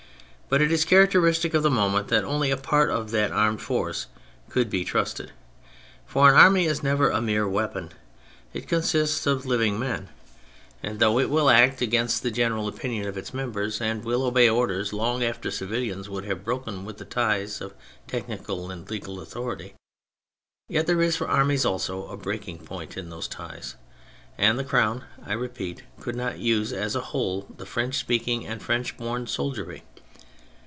But it is characteristic of the moment that only a part of that armed force could be trusted. For an army is never a mere weapon : it consists of living men; and though it will 94 THE FRENCH REVOLUTION act against the general opinion of its members and will obey orders long after civilians would have broken with the ties of technical and legal authority, yet there is for armies also a breaking point in those ties, and the Crown, I repeat, could not use as a whole the French speaking and French born soldiery.